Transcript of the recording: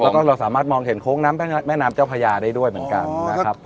แล้วก็เราสามารถมองเห็นโค้งน้ำแม่น้ำเจ้าพญาได้ด้วยเหมือนกันนะครับ